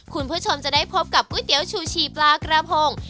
คุณผู้ชมจะได้พบกับก๋วยเตี๋ยวชูชีปลากระพง